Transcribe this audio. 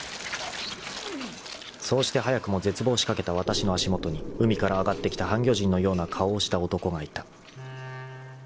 ［そうして早くも絶望しかけたわたしの足元に海から上がってきた半魚人のような顔をした男がいた］